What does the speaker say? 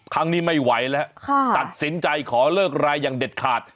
ครั้งนี้ไม่ไหวแล้วตัดสินใจขอเลิกรายอย่างเด็ดขาด